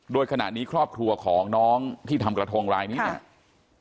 โดยขณะนี้ครอบครัวของน้องที่ทำกระทงรายนี้เนี่ย